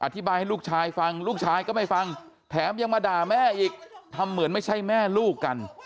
อธิบายให้ลูกชายฟังลูกชายก็ไม่ฟังแถมยังมาด่าแม่อีกทำเหมือนไม่ใช่แม่ลูกกัน